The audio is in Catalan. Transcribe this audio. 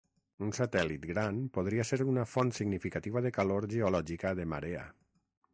Un satèl·lit gran podria ser una font significativa de calor geològica de marea.